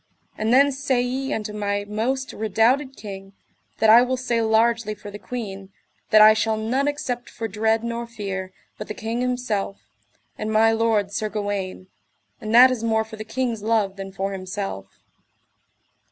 And then say ye unto my most redoubted king, that I will say largely for the queen, that I shall none except for dread nor fear, but the king himself, and my lord Sir Gawaine; and that is more for the king's love than for himself.